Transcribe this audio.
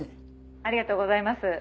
「ありがとうございます」